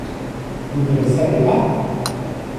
Vous ne le savez pas?